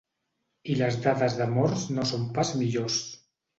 I les dades de morts no són pas millors.